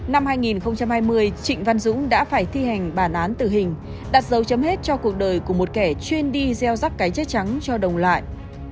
năm hai nghìn hai mươi trịnh văn dũng đã phải thi hành bản án tử hình đặt dấu chấm hết cho cuộc đời của một kẻ chuyên đi gieo rắc cái chết trắng cho đồng lại